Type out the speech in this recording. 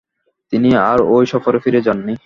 তিনি আর ঐ সফরে ফিরে যাননি।